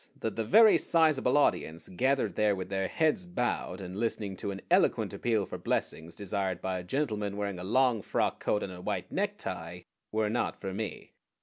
that the very sizable audience gathered there with their heads bowed, and listening to an eloquent appeal for blessings desired by a gentleman wearing a long frock coat and a white necktie, were not for me.